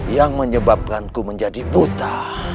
yang menyebabkanku menjadi buta